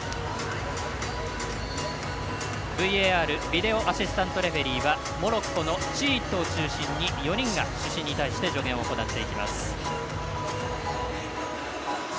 ＶＡＲ＝ビデオ・アシスタント・レフェリーはモロッコの方を中心に４人が主審に対して助言を行っていきます。